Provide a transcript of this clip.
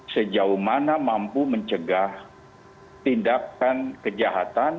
sejauh mana mampu mencegah tindakan kejahatan